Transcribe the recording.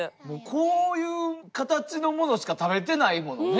こういうカタチのものしか食べてないものね。